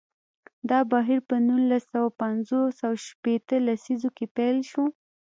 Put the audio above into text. دا بهیر په نولس سوه پنځوس او شپیته لسیزو کې پیل شو.